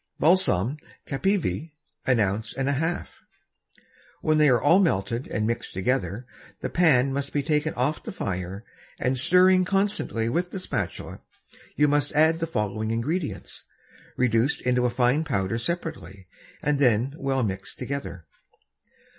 Balsam Capivi, an Ounce and a half. When they are all melted and mixed together, the Pan must be taken off the Fire; and stirring constantly with the Spatula, you must add the following Ingredients, reduced into a fine Powder separately, and then well mixed together.